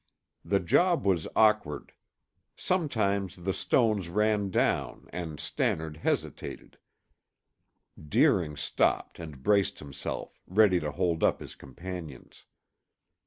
The job was awkward. Sometimes the stones ran down and Stannard hesitated; Deering stopped and braced himself, ready to hold up his companions.